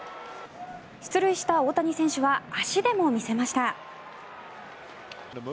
出塁した大谷選手は足でも見せました。